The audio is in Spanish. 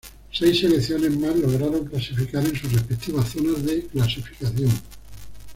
Seis selecciones más lograron clasificar en sus respectivas zonas de clasificación.